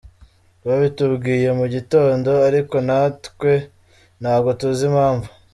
Babitubwiye mu gitondo ariko natwe ntabwo tuzi impamvu.